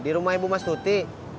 di rumah ibu mas nuti